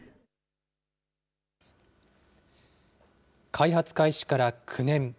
開発開始から９年。